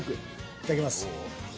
いただきます。